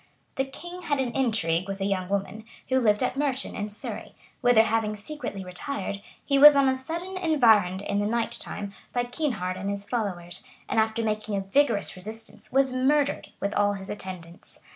The king had an intrigue with a young woman, who lived at Merton, in Surrey, whither having secretly retired, he was on a sudden environed, in the night time, by Kynehard and his followers, and after making a vigorous resistance, was murdered, with all his attendants.